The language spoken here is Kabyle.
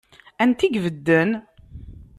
Anta i ibedden?